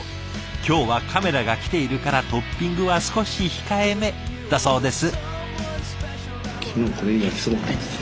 今日はカメラが来ているからトッピングは少し控えめだそうです。